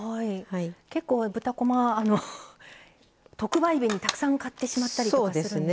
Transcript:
結構、豚こま、特売日にたくさん買ってしまったりとか。